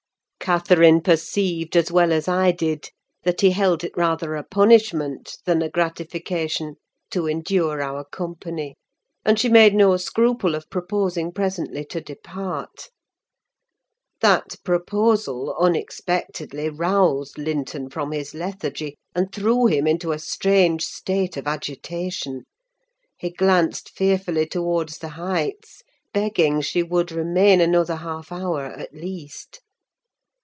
Catherine perceived, as well as I did, that he held it rather a punishment, than a gratification, to endure our company; and she made no scruple of proposing, presently, to depart. That proposal, unexpectedly, roused Linton from his lethargy, and threw him into a strange state of agitation. He glanced fearfully towards the Heights, begging she would remain another half hour, at least.